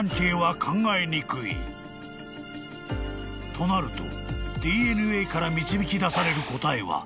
［となるとＤＮＡから導き出される答えは］